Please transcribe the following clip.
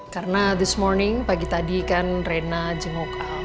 karena pagi tadi kan rayana jenguk al